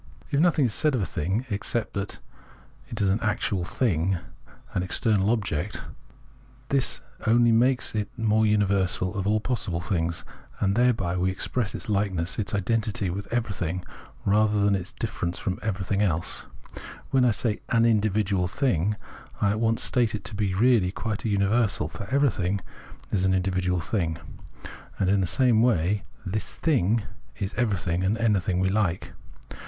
If nothing is said of a thing except that it is an actual Sense certainty 103 tiling, an external object, this only makes it the most imiversal of all possible things, and thereby we express its likeness, its identity, with everything, rather than its difference from everything else. When I say "an individual thing," I at once state it to be really quite a universal, for everything is an individual thing : and in the same way " this thing " is everything and anything we like.